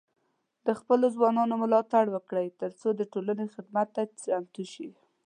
د خپلو ځوانانو ملاتړ وکړئ، ترڅو د ټولنې خدمت ته چمتو شي.